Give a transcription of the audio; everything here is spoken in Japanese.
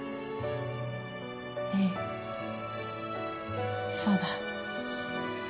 ねえそうだ。